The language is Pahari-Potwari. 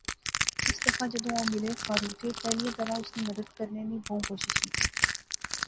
اس دفعہ جدوں او ملے فاروقیں پہلیاں طرح اس نی مدد کیتے نی بہوں کوشش کیتی